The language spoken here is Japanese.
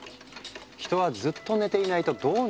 「人はずっと寝ていないとどうなるのか？」